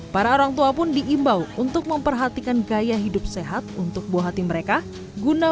para orang tua pun diimbau untuk memperhatikan gaya hidup sehat untuk buah hati mereka guna